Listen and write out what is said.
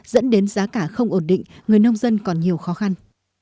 dẫn đến giá cả không ổn định người nông dân còn nhiều khó khăn